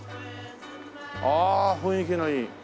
ああ雰囲気のいい。